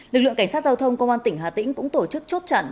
lực lượng cảnh sát giao thông công an tỉnh hà tĩnh cũng tổ chức chốt chặn